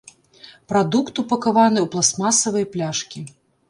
Прадукт упакаваны ў пластмасавыя пляшкі.